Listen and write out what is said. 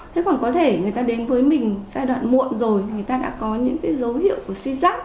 thế còn có thể người ta đến với mình giai đoạn muộn rồi thì người ta đã có những cái dấu hiệu của suy giác